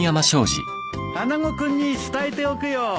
穴子君に伝えておくよ。